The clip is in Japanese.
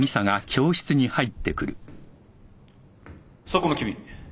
そこの君。